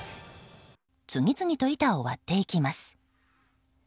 次々と板を割っていきます。